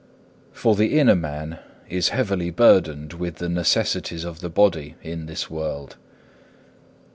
3. For the inner man is heavily burdened with the necessities of the body in this world.